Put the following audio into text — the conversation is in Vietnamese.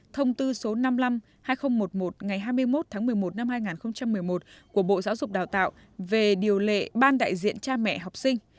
thông tư số năm mươi năm hai nghìn một mươi một ngày hai mươi một tháng một mươi một năm hai nghìn một mươi một của bộ giáo dục đào tạo về điều lệ ban đại diện cha mẹ học sinh